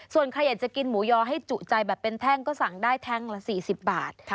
ส่วนใครอยากจะกินหมูยอให้จุใจแบบเป็นแท่งก็สั่งได้แท่งละ๔๐บาท